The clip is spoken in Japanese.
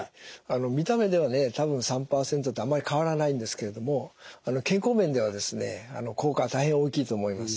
見た目では多分３％ってあんまり変わらないんですけれども健康面では効果は大変大きいと思います。